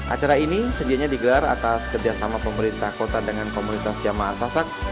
acara ini sedianya digelar atas kerjasama pemerintah kota dengan komunitas jamaah sasak